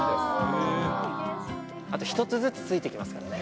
あと１つずつついていきますからね。